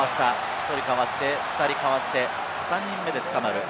１人かわして２人かわして、３人目で捕まる。